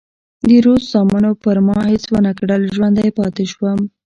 د روس زامنو پر ما هېڅ ونه کړل، ژوندی پاتې شوم.